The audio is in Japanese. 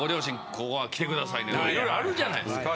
ここは来てくださいねとかいろいろあるじゃないですか。